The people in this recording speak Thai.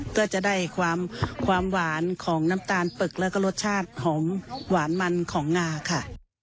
เพื่อจะได้ความหวานของน้ำตาลปึกแล้วก็รสชาติหอมหวานมันของงาค่ะ